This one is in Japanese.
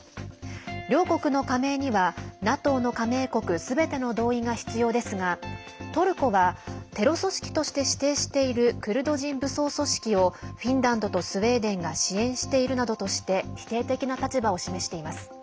両国の加盟にはＮＡＴＯの加盟国すべての同意が必要ですがトルコはテロ組織として指定しているクルド人武装組織をフィンランドとスウェーデンが支援しているなどとして否定的な立場を示しています。